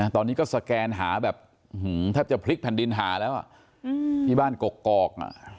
ตอนนี้ก็สแกนหาแบบถ้าจะพลิกพันธุ์ดินหาแล้วพี่บ้านกอก